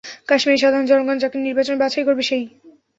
কাশ্মীরের সাধারণ জনগণ যাকে নির্বাচনে বাছাই করবে সেই।